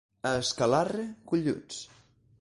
A Escalarre, golluts.